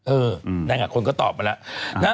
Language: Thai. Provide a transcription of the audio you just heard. เออได้อย่างไรคนก็ตอบมาแล้ว